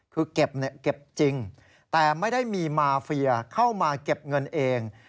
คือเก็บจริงแต่ไม่ได้มีมาเฟียเข้ามาเก็บเงินเอง